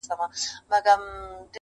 قلندر ته کار مهم د تربیت وو-